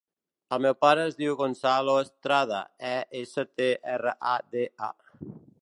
El meu pare es diu Gonzalo Estrada: e, essa, te, erra, a, de, a.